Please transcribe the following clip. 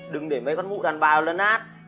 đừng để mấy con mụ đàn bà nó lăn nát